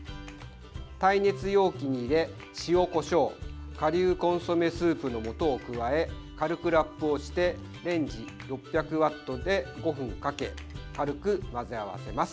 耐熱容器に入れ、塩、こしょう顆粒コンソメスープのもとを加え軽くラップをしてレンジ６００ワットで５分かけ軽く混ぜ合わせます。